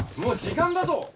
もう時間だぞ！